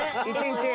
１日。